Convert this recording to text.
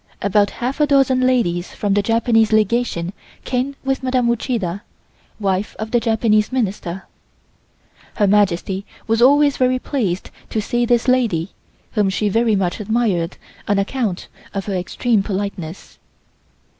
About half a dozen ladies from the Japanese Legation came with Madame Uchida, wife of the Japanese Minister. Her Majesty was always very pleased to see this lady whom she very much admired on account of her extreme politeness.